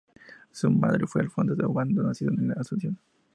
Su madre fue Alfonsa de Ovando, nacida en la Asunción.